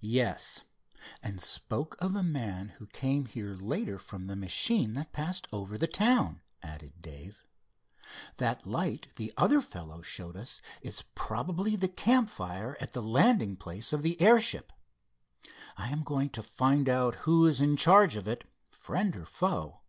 "Yes, and spoke of a man who came here later from the machine that passed over the town," added Dave. "That light the other fellow showed us is probably the campfire at the landing place of the airship. I am going to find out who is in charge of it, friend or foe."